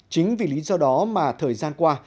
chính vì lý do đó mà thời gian qua